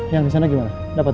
yang disana gimana dapet